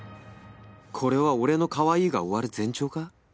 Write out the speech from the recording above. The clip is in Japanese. これは俺のかわいいが終わる前兆か？